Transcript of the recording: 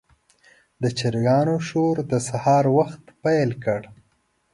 د چرګانو شور د سهار وخت پیل کړ.